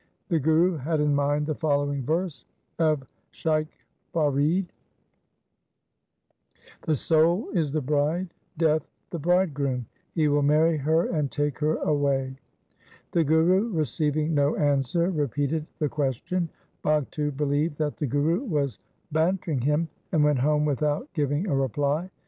The Guru had in mind the following verse of Shaikh Farid :— The soul is the bride, Death the bridegroom ; he will marry her and take her away. The Guru receiving no answer repeated the ques tion. Bhagtu believed that the Guru was banter ing him, and went home without giving a reply.